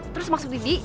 terus maksudnya bi